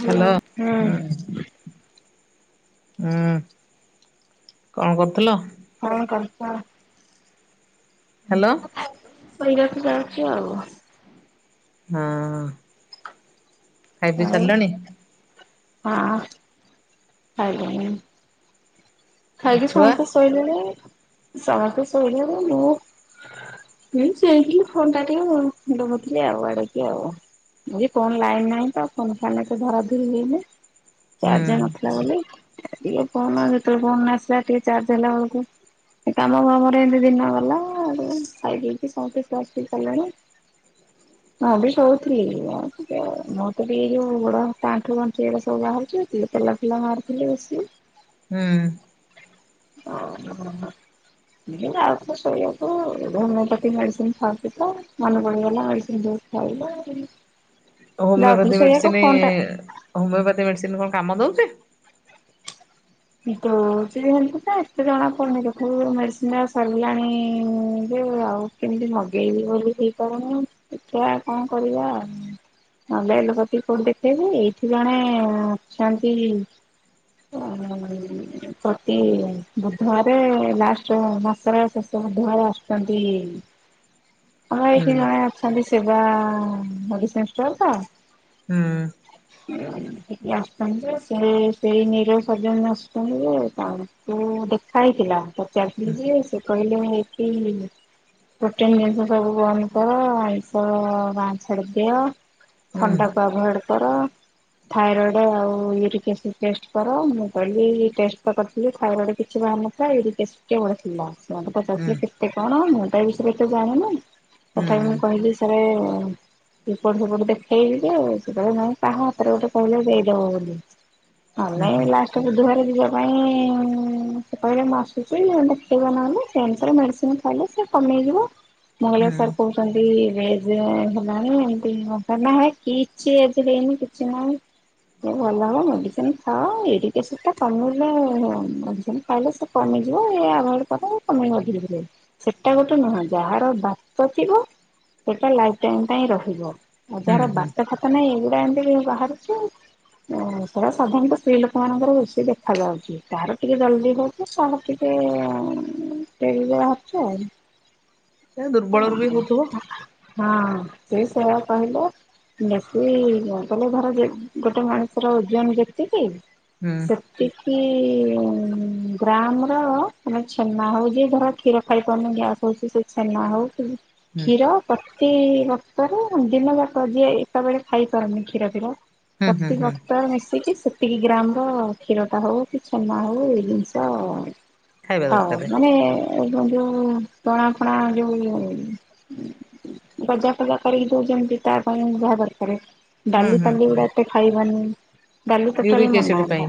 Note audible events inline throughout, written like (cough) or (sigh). Hello hello ହୁଁ ନମସ୍କାର୍ ହୁଁ ଉ କଣ କରୁଥିଲ? ହଁ କର୍ତ୍ତା ହାଲୋ ମୁଁ ଏଇ ବାଟେ ଯାଉଛି ଆଉ। ହଁଅ ଖାଇ ପି ଆଉ ସାରିଲଣି ହଁ ଖାଇଲିଣି ଆଉ ଖାଇକି ଛୁଆ ସମସ୍ତେ ଶୋଇଲେଣି। ସମସ୍ତେ ଶୋଇଲେଣି ମୁଁ ହୁଁ ଚେଇଁଥିଲି ଥଣ୍ଡା ଟିକେ। ବୁଲୁଥିଲି ଆଉ ଆଡିକି ଆଉ। ଇଏ କଣ ଲାଇନ ନାହିଁ ତ। କଣ ଫୋନ୍ ଫ୍ୟାନ ଏତେ ଧରାଧରି ହେଇନି। ହୁଁ ଚାର୍ଜ ନଥିଲା ବୋଲି ଟିକେ ଫୋନ ଯେତେବେଳେ ଫୋନ୍ ଆସିଲା ଟିକେ ଚାର୍ଜ ହେଲା ବେଳକୁ। ଏ ତ ଆ ଆମର ଘରେ ଏମିତି ଦିନ ଗଲା ଆ। ଖାଇ ଦେଇେଇକି ସମସ୍ତେ ସୁଆସୁଇ କଲେଣି। ଟ (inaudible) ମୁଁ ବି ଶୋଉଥିଲି। ମୋର ଟିକେ ଏଇ ଯୋଉ ଗୋଡ ହାତ ଆଣ୍ଠୁ ଗଣ୍ଠି ଏଇଡା ସବୁ ବାହାରୁଛି। ଟିକେ ତେଲ ଫେଲ ମାରୁଥିଲି ବସି। ହୁଁ। ହଁ ମ ଆଉଥିଲି ଶୋଇବାକୁ ହୋମିଓପାଥି ମେଡିସିନ୍ ଖାଉଛି ତ ମନେପଡ଼ିଗଲା ମେଡିସିନ୍ ଦେ ହଉଲୋ ଆଉ ହୋମିଓପାଥି ମେଡିସିନ୍ଇ ହୋମିଓପାଥି ମେଡିସିନ୍ କଣ କାମ ଦଉଚି। ଦଉଚି ଏମିତି ଯେ ଏତେ ଜଣା ପଡିନି ଯେ କିନ୍ତୁ ମେଡ଼ିସିନ୍ ଉରା ସାରିଲାଣି ଯେ ଆଉ କେମିତି ମଗେଇବି ବୋଲି ହେଇପାରୁନି। ଆ ଦେଖିବା କଣ କରିବା ଆ। ନହେଲେ ଲୋକ ଟିକେ କୋଉଠି ଦେଖେଇବି। ଏଇଠି ଜଣେ ଅଛନ୍ତି। କଣ ପ୍ରତି ବୁଧବାରେ। ଲାଷ୍ଟ ମାସର ଶେଷ ବୁଧବାରେ ଆସୁଛନ୍ତି। ଆମର ହୁଁ ଏଇଠି ଜଣେ ଅଛନ୍ତି ଶିବାଆ ମେଡିସିନ୍ ଷ୍ଟୋର ତ। ହୁଁ ଏଠିକି ଆସିଛନ୍ତି ଯେ। ସେଇ ନିର ସର୍ଜନ ଆସ କହିଲେ ତାଙ୍କୁ ଦେଖା ହେଇଥିଲା ପଚାରଥିଲି ଯେ ସେ କହିଲେ ହେଇଠି ପ୍ରୋଟିନ ଜିନିଷ ସବୁ ବନ୍ଦ କର ଆଇଷ ବା ଛାଡି ଦିଅ ହୁଁ ଥଣ୍ଡା କ ଆଭଏଡ କର ଥାଇରଏଡ ଆଉ ୟିକଟେଷ୍ଟ ଫେଷ୍ଟ କର ମୁ କିନ୍ତୁ ଏ ଯୋଉ ଟେଷ୍ଟ ଟା କରିଥିଲି ଥାଇରଡ କିଛି ବା ନଥିଲା ଏରିଟେଷ୍ଟ ଥିଲା ସେମାନେ ହୁଁ ହୁଁ ପଚଥିଲେ ମତେ କଣ ମୁଁ ତା ବିଷୟରେଏତେ ଜାଣିନି ତଥାପି ମୁଁ ହୁଁ କହିଲି ସାର୍ ଏପଟ ସେପଟ ଦେଖେଇଲି ଆଉ ସେତବେଳେ ମୁଁ କାହା ହାତରେ ଗୋଟେ କହିଲେ ଦେଇଦବ ବୋଲି ଆମେ ହୁଁ ଏ ହୁଁ ଲା ହୁଁ ତ ବୁଧବାର ଯିବା ପାଇଁ ସେ କହିଲେ ମୁଁ ଆସୁଛି ଦେ ପେଇବ ନହେଲେ କ୍ୟନ୍ସର ମେଡ଼ିସିନ୍ କହିଲେ ସେ କମେଇଯିବ ମଙ୍ଗଲେଶ୍ୱର କୁ କେମିତି ବି ହେଲାଣି ଏମତି କିଛି (unintelligible) ହେନି କିଛି ନାହିଁ ମୁଁ ଭଲ ହବ ମେଡିସିନ ଖାଅ ଏଇଠି ଏସବଟା କମେଇଲେ ଅଧିକ ପାଇଲେ ସେ କମିଯିବ ଏ ଆଗଟ କଥା କମେଇଲେ ଅଧିକିବ ସେଟା ଗୋଟେ ନୁହଁ ଯାହାର ବାତ ଥିବ ସେଟା ଲାଇଫ୍ ଟାଇମ୍ ପାଇଁ ରହିବ ଆ ଯାହାର ବାତ ଫାତ ନାହିଁ ଏଇଗୁଡା ଏମିତି ବାହାରୁଛିୁ ସେଇଟା ସାଧାରଣତଃ ସ୍ତ୍ରୀ ଲୋକ ସେମାନଙ୍କର ବେଶୀ ଦେଖାଯାଉଛି। କାହାର ଟିକେ ଜଲ୍ ଦି ହଉଛି, କାହାର ଟିକେ-ଏ ଡେରିରେ ଅଛ ଆଉ। ଏ ଦୁର୍ବଳରୁ ବି ହଉଥୁବ। ହଁ, ସେଇ ସେୟା କହିଲ। ବାସି କହଲେ ଘର ଯେ, ଗୋଟେ ମଣିଷର ଓଜନ ଯେତିକି ହୁଁ ସେତିକି-ଇଁ ଗ୍ରାମ୍ ର ମାନେ ଛେନା ହଉଛି, ଧର କ୍ଷୀର ଖାଇ ପାରୁନି ଗ୍ୟାସ୍ ହଉଛି, ସେ ଛେନା ହଉଛି ହୁଁ କ୍ଷୀର। ପ୍ରତି ବର୍ଷରେ ଦିନ ଯାକ ଯିଏ, ଏକାବେଳେ ଖାଇପାରୁନି କ୍ଷୀର ଫୀର ହୁଁ ହୁଁ ହୁଁ ପ୍ରତିବ୍ରତାର ମିଶିକି ସେତିକି ଗ୍ରାମ୍। ଅ କ୍ଷୀର ଟା ହଉ କି ଛେନା ହଉ, ଏଇ ଜିନିଷ ଖାଇବା ହଉ, ଦରକାର ମାନେ-ଏ ଏଇତ ଯୋଉ ପଣା ଫଣା ଯୋଉ-ଉ ଗଜା ଫଜା କରିକି ଦଉ ଯେମିତି ତା ପାଇଁ ଯାହା ଦରକାରେ। ହୁଁ ଡାଲି, ହୁଁ ପାଲି ଗୁଡା ହୁଁ ଏତେ ଖାଇବନି। ଡାଲି ଟୋଟାଲି ୟୁରିକ ମନା। ଏସିଡ ପାଇଁ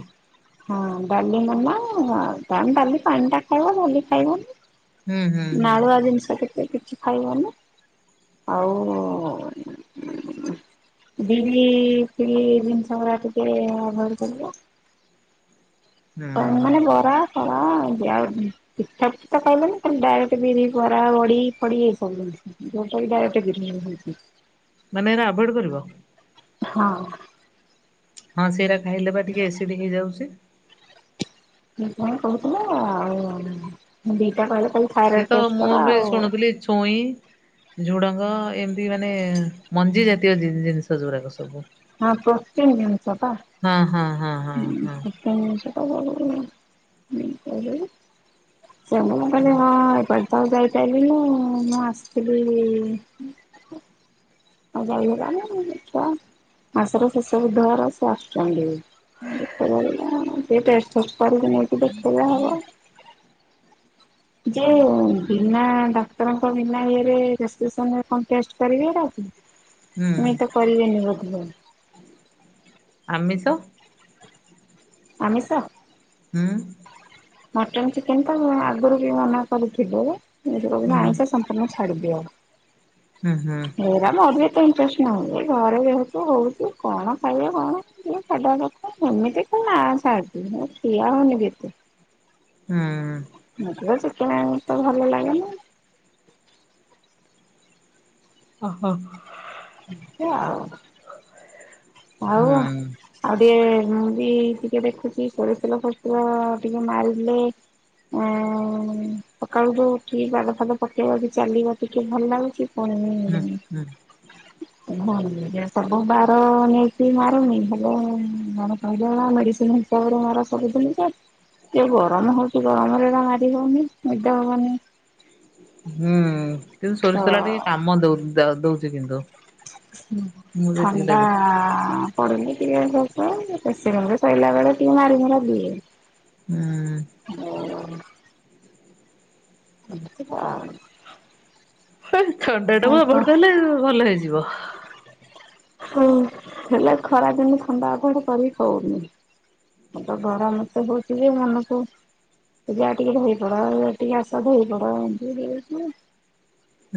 ହଁ, ଡାଲି ମନା-ଆଁ, କଣ ଡାଲି ପାଣି ଟା ଖାଇବ। ଡାଲି ଖାଇବନି। ହୁଁ ହୁଁ ହୁଁ ନାଳୁଆ ଜିନିଷ କେତେ କିଛି ଖାଇବନି? ଆଉ-ଉଁ। ବିରି ଫିରି ଜିନିଷ ଗୁଡା ଟିକେ ଆଭୋଏଡ଼୍ କରିବ। ହୁଁ ମାନେ ବରା ଫରା ଏମିତି ଆଉ। ପିଠାପିଠି ତ ଖାଇଲେନି, ଖାଲି ଡାଇରେକ୍ଟ ବିରି, ବରା, ବଡିଫଡି ଏଇ ସବୁ ଜିନିଷ। ଯଉ (unintelligible) ଡ଼ାଇଏକ୍ଟେ ବିରି ହି ହେଇଛି। ମାନେ ଏରା ଆଭଏଡ୍ କରିବ। ହଁ। ହଁ, ସେଇରା ଖାଇଲେ ପା ଟିକେ ଏସିଡ୍ ହେଇଯାଉଛି। ସେ କଣ କହୁଥିଲା ଆଉ, ଦିଟା କହିଲେ କହିଲେ ସିଏ ଥାଇରଏଡ୍ ତ ଟେଷ୍ଟ ମୁଁ କର। ବି ଆଉ ଶୁଣୁଥିଲି ଛୁଇଁ। ଝୁଡଙ୍ଗ, ଏମତି ମାନେ ମଞ୍ଜି ଜାତୀୟ ଜି-ଜିନିଷ ଯଉରାକ ସବୁ। ହଁ, ପ୍ରତିିନିନ୍ନସ ପା। ହଁ, ହଁ, ହଁ। ହଁ ହୁଁ, ହଁ ଖଟା ଜିନିଷ (unintelligible) ସେମାନେ କହିଲେ ହଁ, ଏ ପାଟେ ତ ଆଉ ଯାଇପାଇଲୁନୁ, ମୁଁ ଆସିଥିଲି ଆଉ, ଯାଇ ହେଲାନି (unintelligible) ମାସର ଶେଷ ବୁଧବାର ସେ ଆସୁଛନ୍ତି। ଦେଖେଇଆଉ। ଟିକେ ଟେଷ୍ଟ ଫେଷ୍ଟ କରିକି ନେଇକି ଦେଖେଇଲେ ହବ। ଯେଉ ବିନା ଡ଼ା କ୍ଟରଙ୍କ ବିନା ଇଏରେ, ପ୍ରେସ୍କୁପସନ୍ ରେ କଣ ଟେଷ୍ଟ କରିବେ ଏଗୁଡା କି? ହୁଁ ମି ତ କରିବେନି ବୋଧେ! ଆମିଷ! ଆମିଷ। ହୁଁ। ମଟନ୍ ଚିକେନ୍ ତ ଆଗରୁ ବି ମନା କରିଥିଲୁ। ଏଥର ହୁଁ ଆଇଁଷ ସମ୍ପୂର୍ଣ୍ଣ ଛାଡ଼ିଦିଅ। ହୁଁ ହୁଁ। ଏରା ମୋର ଏତେ ଇଣ୍ଟରେଷ୍ଟ ନାଇଁ। ଏ ଘରେ ଯେହେତୁ ହଉଛି, କଣ ଖାଇବ କଣ? ସିଏ ଛାଡ୍ ଦବା କଥା। ସେମିତି କଉ ନା ଛାଡ଼୍, (unintelligible) ମୁଁ ଠିଆ ହଉନିବି ଏତେ। ହୁଁ। ମତେ ତ ଚିକେନେ ଏତେ ଭଲ ଲାଗେନି। ଓହୋ। ଏମିତି ଆଉ। ଆଉ? ହୁଁ ଆଉ ଟିକେ ବି ଟିକେ ଦେଖୁଛି ସରିସତେଲ ଫୋରିସ ତେଲ ଟିକେ ମାରିଲେ ଉଁ ସକାଳୁ ଯୋଉ ଉଠୁକି ପାଦ ଫାଦ ପକେଇବା କି ଚାଲିବା ଟିକେ ଭଲ ଲାଗୁଛି। ହୁଁ ହୁଁ (unintelligible) ସବୁ ବାର ନେଇ କିଛି ମାରୁନି ହେଲେ ଜଣେ କହିଲେ ଏରା ମେଡ଼ିସିନ୍ ହିସାବରେ ମାର ସବୁ ଦିନ ଯେ ଯୋଉ ଗରମ ହଉଛି ଗରମରେ ଏରା ମାରି ହଉନି ନିଦା ହବନି। ହୁଁ କିନ୍ତୁ ତ ସୋରିଷ ତେଲ ଟା ଟିକେ କାମ ଦଉ ଦ ଦଉଛି କିନ୍ତୁ। ହଁ ମୁଁ ଯେତିକି ଥଣ୍ଡା ଲାଗୁଛି ପଡୁନି ଟିକେ ଘସି ଏମିତି ଏସି ରୁମ୍ ରେ ସଇଲା ବେଳେ ଟିକେ ମାରୀମୁରା ଦିଏ। ହୁଁ। ହଁ। (unintelligible) ଥଣ୍ଡା ଟାକୁ ଆଉ କଣ ଆଭଏଡ୍ କଲେ ଭଲ ହେଇଯିବ। ହଁ ହେଲେ ଖରା ଦିନେ ଥଣ୍ଡା ଆଭଏଡ କରି ହଉନି। ହେତ ଗରମ ଏତେ ହେଉଛି ଜେ ମନକୁ ଯାହା ଟିକେ ଧୋଇପଡ ଇଆଡ଼େଟିକେ ଆସ ଧୋଇ ପଡ ଏମିତି ହେଇଯାଉଛି ମୁଁ।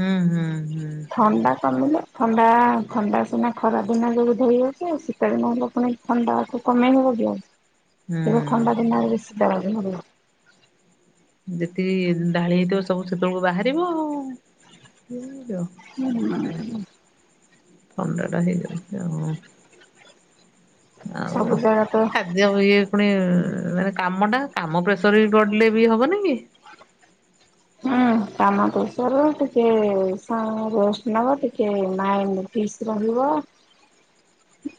ହୁଁ ହୁଁ ହୁଁ। ଥଣ୍ଡା କମିଲେ ଥଣ୍ଡା ଥଣ୍ଡା ସିନା ଖରା ଦିନ ଯୋଗୁଁ ଧୋଇହଉ ଛି ଶୀତଦିନ ହେଲେ ପୁଣି ଥଣ୍ଡାକୁ କମେଇ ହେବ କି ଆଉ ଏବେ ହୁଁ। ଥଣ୍ଡା ଦିନରେ ବେଶୀ (unintelligible) ଯେତିକି ଢାଳି ହେଇଥିବ ସବୁ ସେତେବେଳକୁ ବାହାରିବ ଆଉ କିଏ କଣ କରିବ। (unintelligible) ଥଣ୍ଡା ଟା ହେଇଯାଉଛି ଆଉ। ସବୁ ଜାଗା ତ ଯଉ ଇଏ ପୁଣି ମାନେ କାମ ଟା କାମ ପ୍ରେସର ବି ପଡିଲେବି ହବନିକି? ହୁଁ। କାମ ପ୍ରେଷର ଟିକେ ସା ରେଷ୍ଟ ନବ ଟିକେ ମାଇଣ୍ଡ ପିସ୍ ରହିବ। ହ୍ୟା।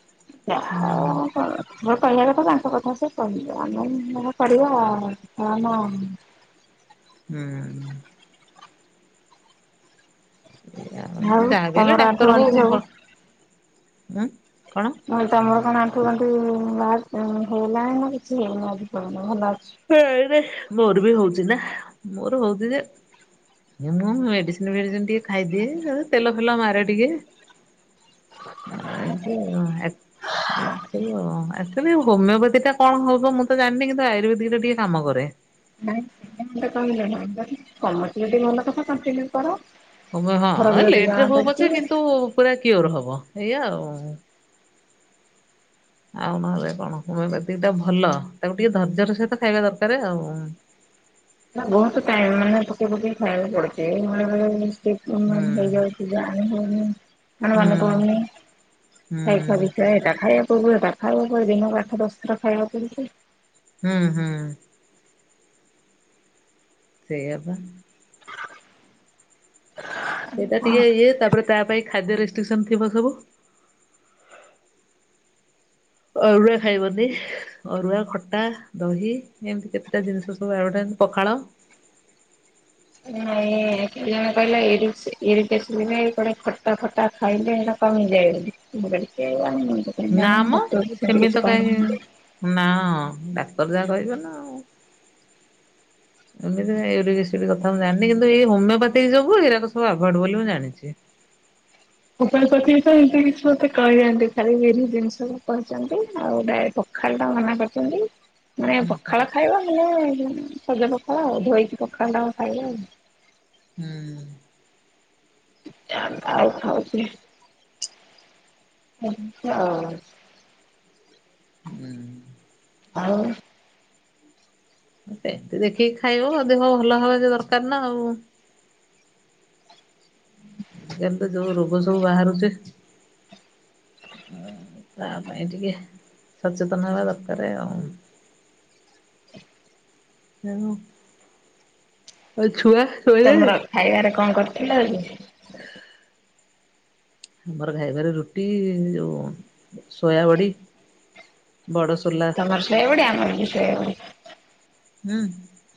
ହୁଁ। (unintelligible) କହିବାକଥା ତାଙ୍କ କଥା ସେ କହିବେ ଆମେ ଯାହା କରିବା ଆଉ ଆମ ହୁଁ। ଏୟା ଆଉ ଯାହା ବି ହେଲେ ତମର ଆଣ୍ଠୁ ଡାକ୍ତରଙ୍କୁ ଗଣ୍ଠି ସବୁ ବ ଉଁ କଣ? ମୁଁ କହିଲି ତମର କଣ ଆଠୁ ଗଣ୍ଠି ବାହାରି ହେଲାଣି କିଛି ହେଇନି ଆଜି ପାର୍ଯ୍ୟନ୍ତ ଭଲ ଅଛି। ହେଇରେ ମୋର ବି ହଉଛି ନା ମୋର ହଉଛି ଯେ ହେ ମୁଁ ମେଡିସିନ ଫେଡିସିନ ଟିକେ ଖାଇଦିଏ ତେଲ ଫେଲ ମାରେ ଟିକେ ଆଉ ଏମିତି ଆଉ ଆକ୍ (unintelligible) ଆକ୍ଚୁଲି ହୋମିଓ ପାତି ଟା କଣ ହବ ମୁଁ ତ ଜାଣିନି କିନ୍ତୁ ଆୟୁର ବେଦି ଟା ଟିକେ କାମ କରେ। ନାଇଁ ସେ କହିଲାନି କମୁଛି ଯଦି ଭଲ କଥା କଣ୍ଟିନ୍ୟୁ କର। ହୋମିଓ ଫରକ ହଁ ଯଦି ଲେଟ ଜଣା ରେ ହଉ ପଛେ ପଡୁଛି କିନ୍ତୁ ପୁରା କିଓର ହବ ଏଇଆ ଆଉ। ଆଉ ନହେଲେ କଣ ହୋମିଓପାଥି ଟା ଭଲ ତାକୁ ଟିକେ ଧର୍ଯ୍ୟ ର ସହିତ ଖାଇବା ଦରକାରେ ଆଉ। ବହୁତ ଟାଇମ୍ ମାନେ ପକେଇ ପକେଇ ଖାଇବାକୁ ପଡୁଛି ବେଳେ ବଳେ ହୁଁ (unintelligible) ହେଇଯାଉଛି। ଜାଣି ହଉନି। ମାନେ ହୁଁ ମନେ ପଡୁନି ହୁଁ (unintelligible) ହେଟା ଖାଇବାକୁ କରିବି ଦିନରେ ଆଠ ଦଶଥର ଖାଇବା କରିକି ହୁଁ ହୁଁ। ସେଇଆପା। ସେଇଟା ଟିକେ ଇଏ ତାପରେ ତାପାଇଁ ଖାଦ୍ୟ ରେଷ୍ଟ୍ରିକସନ ଥିବ ସବୁ। ଅରୁଆ ଖାଇବନି। ଅରୁଆ ଖଟା ଦହି ଏମିତି କେତେଟା ଜିନିଷ ସବୁ ଆଉଗଟା ପଖାଳ। ନାଇଁ କେଇ ଜଣେ କହିଲେ ଇରିସ ଇରିଟେଷ୍ଟ ହେଲେ କୁଆଡ଼େ ଖଟା ଫଟା ଖାଇଲେ ହେ କମି ଯାଇବୋଲି ମୁକଇଲି କେଜାଣି ମୁତ କାଇଁ ନା ଜାଣିନି ମ ଡକ୍ଟରବି ସେମିତି କିଛି କାହିଁ କହିନାହାନ୍ତି। ନା ଡାକ୍ତର ଯାହା କହିବନା ଆଉ। (inaudible) ଏମିତି ଇରିଟେଷ୍ଟ ମୁଁ ଜାଣିନି କିନ୍ତୁ ଏଇ ହୋମିଓପାଥି ଯବୁ ଏଇରା ସୁ ଆଭଡ ବୋଲି ମୁଁ ଜାଣିଚି। ପୂଜା ଏମିତି କିଛି ମତେ କହିନାହାନ୍ତି ଖାଲି ବିରି ଜିନିଷ କହିଛନ୍ତି ଆଉ ଡାଏଟ ଖାଲିଟା ମନା କରିଚନ୍ତି। ମାନେ ହୁଁ ପଖାଳ ଖାଇବ ହେଲେ ସଜ ପଖାଳ ଆଉ ଧୋଇକି ପଖାଳ ଟାକୁ ଖାଇବ ଆଉ। ହୁଁ। ଯା ଆଉ ଖାଉଚି ସେମିତି ଆଉ। ହୁଁ। ଆଉ? ସେମିତି ଦେଖିକି ଖାଇବ ଦେହ ଭଲ ହବା ଦରକାରନା ଆଉ। କିନ୍ତୁ ଯୋଉ ରୋଗ ସବୁ ବାହାରୁଚି ତାପାଇଁ ଟିକେ ସଚେତନ ହେବା ଦରକାର ଆଉ। ତେଣୁ ଆଉ ଛୁଆ ତମର ଶୋଇିଲେଣି? ଖାଇବାରେ କଣ କରିଥିଲ ଆଜି? ଆମର ଖାଇବାରେ ରୁଟି ଯେଉଁ ସୋୟାବଡ଼ି ବଡ଼ସୋଲା ତମର ସୋୟାବଡ଼ି ଆମରବି ସୋୟବଡ଼ି। ହୁଁ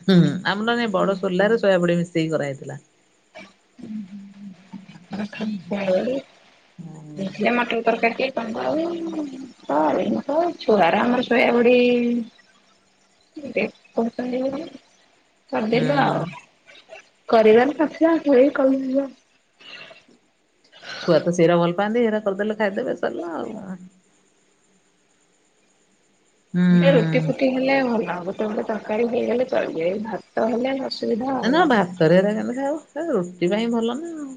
ହୁ ହୁ ଆମର ବଡ଼ ସୋଲାରେ ଶୋୟବଡ଼ି ମିଶେଇକି କରାହେଇଥିଲା। ସୋୟାବଡ଼ି ଦେଖିଲ ହୁଁ ମଟର ତରକାରି ଟିକେ (unintelligible) କରିମିତ ଛୁଆଅରା ଆମର ସୋୟାବଡ଼ି ଦେଖୋଉଚନ୍ତି ବୋଲି କରିଦେବା ଆଉ କରିବାର ନଥିଲା ସେଇ କହିଥିଲା ଛୁଆତ ସେରା ଭଲ ପାଆନ୍ତି ହେରା କରିଦେଲେ ଖାଇଦେବେ ସାରିଲା ଆଉ କଣ। ହୁଁ ଗଟେ ରୁଟି ଫୁଟି ହେଲେ ଭଲ ହବ ତ ଗୋଟେ ତରକାରୀ ହେଇଗଲେ ଚଳିବ ଏଇ ଭାତ ହେଲେ ଅସୁବିଧା ନା ନା ଆଉ। ଭାତରେ ଏରା କେମତି ଖାଇାବୁ ରୁଟି ପାଇଁ ଭଲନା ଆଉ।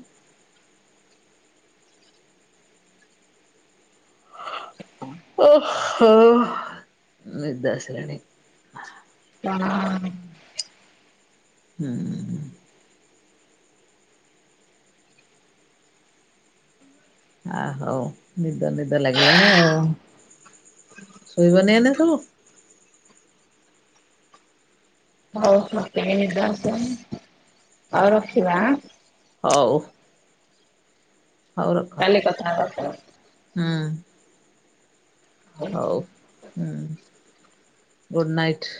ଓ ହ ନିଦ ଇସିଲାଣି। କଣ ହୁଁ। ଆହଉ ନିଦ ନିଦ ଲାଗିଲାଣି ଆଉ ଶୋଇବନି ଏଇନା ସବୁ। ହଉ ମତେବି ନିଦ ଆସିଲାଣି ଆଉ ରଖିବା ଆଁ। ହଉ। ହଉ ରଖ କାଲି କଥା ହେବାତ? ହୁଁ। ହଉ ହୁଁ ଗୁଡ଼୍ ନାଇଟ୍।